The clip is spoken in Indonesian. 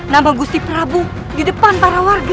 nama gusti prabu di depan para warga